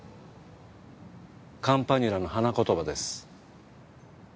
カンパニュラの花言葉です。